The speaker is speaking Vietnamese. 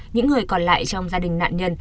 những người còn lại trong gia đình nạn nhân